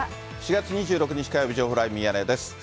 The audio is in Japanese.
４月２６日火曜日、情報ライブミヤネ屋です。